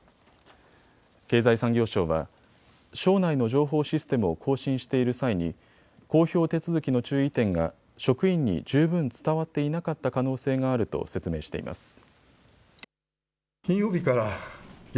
経済産業省は省内の情報システムを更新している際に公表手続きの注意点が職員に十分伝わっていなかった可能性があると説明しています。